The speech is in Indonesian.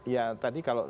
ya tadi kalau